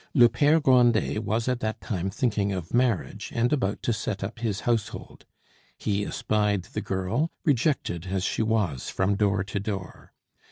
Le Pere Grandet was at that time thinking of marriage and about to set up his household. He espied the girl, rejected as she was from door to door.